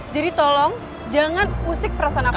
jadi tolong jangan pusing perasaan aku